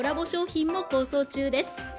商品も構想中です。